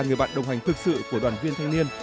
người bạn đồng hành thực sự của đoàn viên thanh niên